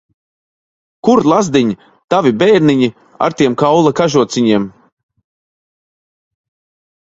Kur, lazdiņ, tavi bērniņi, ar tiem kaula kažociņiem?